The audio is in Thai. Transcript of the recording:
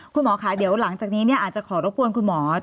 คุณหมอหลังจากนี้คุณหมอหรือคุณหมอ